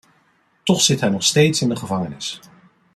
Toch zit hij nog steeds in de gevangenis.